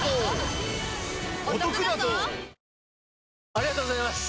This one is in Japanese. ありがとうございます！